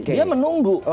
dia menunggu posisinya